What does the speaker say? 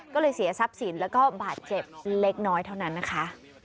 ก็เลยเสียทรัพย์สินแล้วก็บาดเจ็บเล็กน้อยเท่านั้นนะคะ